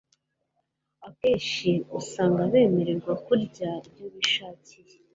Akenshi usanga bemererwa kurya ibyo bishakira